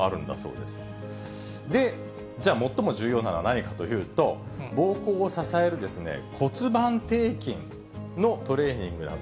で、じゃあ最も重要なのは何かというと、ぼうこうを支える骨盤底筋のトレーニングだと。